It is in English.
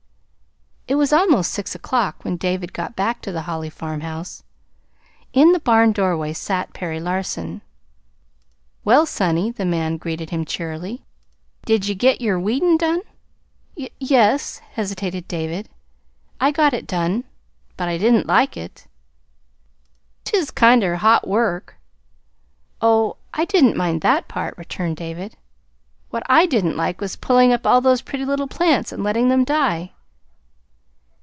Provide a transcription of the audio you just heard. It was almost six o'clock when David got back to the Holly farmhouse. In the barn doorway sat Perry Larson. "Well, sonny," the man greeted him cheerily, "did ye get yer weedin' done?" "Y yes," hesitated David. "I got it done; but I didn't like it." "'T is kinder hot work." "Oh, I didn't mind that part," returned David. "What I didn't like was pulling up all those pretty little plants and letting them die."